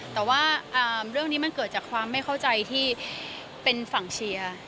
แต่ว่าเรื่องนี้มันเกิดจากความไม่เข้าใจที่เป็นฝั่งเชียร์